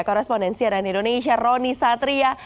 korespondensi ann indonesia roni satria